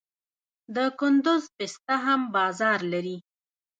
د کندز پسته هم بازار لري.